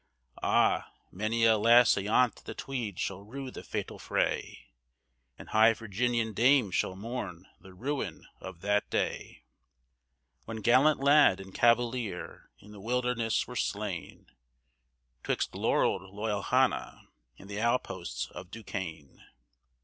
Ah! many a lass ayont the Tweed shall rue the fatal fray, And high Virginian dames shall mourn the ruin of that day, When gallant lad and cavalier i' the wilderness were slain, 'Twixt laurelled Loyalhanna and the outposts of Duquesne.